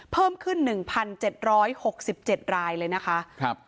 เพิ่มขึ้นหนึ่งพันเจ็ดร้อยหกสิบเจ็ดรายเลยนะคะครับ